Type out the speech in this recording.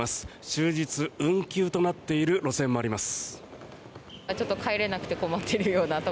終日運休となっている路線もあります。